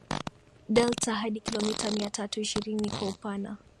delta hadi kilomita miatatu ishirini kwa upana